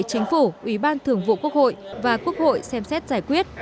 chính phủ ủy ban thường vụ quốc hội và quốc hội xem xét giải quyết